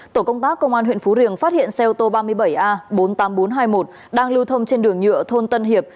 tổ công tác công an huyện phú riềng phát hiện xe ô tô ba mươi bảy a bốn mươi tám nghìn bốn trăm hai mươi một đang lưu thông trên đường nhựa thôn tân hiệp